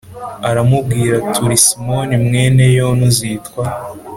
aramubwira ati Uri Simoni mwene Yona uzitwa